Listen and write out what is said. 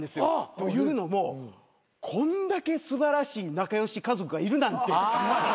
「というのもこんだけ素晴らしい仲良し家族がいるなんて」